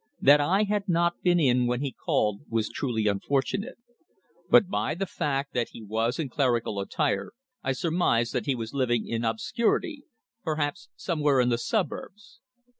That I had not been in when he called was truly unfortunate. But by the fact that he was in clerical attire I surmised that he was living in obscurity perhaps somewhere in the suburbs.